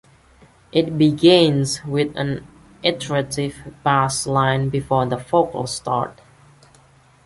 It begins with an iterative bass line before the vocals start.